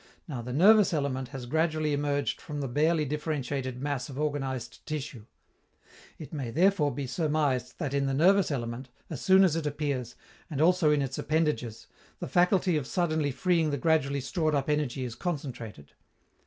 Now, the nervous element has gradually emerged from the barely differentiated mass of organized tissue. It may, therefore, be surmised that in the nervous element, as soon as it appears, and also in its appendages, the faculty of suddenly freeing the gradually stored up energy is concentrated.